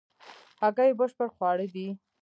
هګۍ بشپړ خواړه دي